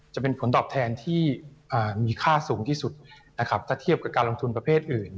จะเป็นผลตอบแทนที่มีค่าสูงที่สุดนะครับถ้าเทียบกับการลงทุนประเภทอื่น